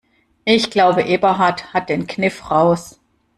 Ich glaube, Eberhard hat den Kniff raus.